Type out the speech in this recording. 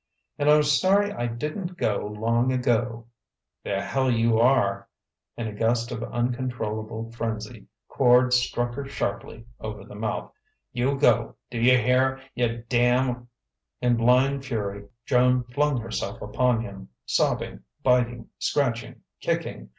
"And I'm sorry I didn't go long ago " "The hell you are!" In a gust of uncontrollable frenzy, Quard struck her sharply over the mouth. "You go d'you hear? you damn' " In blind fury Joan flung herself upon him, sobbing, biting, scratching, kicking.